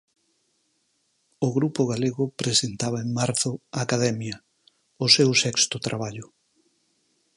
O grupo galego presentaba en marzo Academia, o seu sexto traballo.